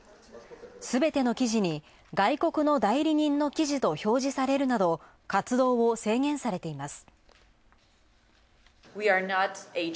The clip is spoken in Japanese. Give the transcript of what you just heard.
すべての記事に外国の代理人の記事と表示されるなど、活動を制限されています。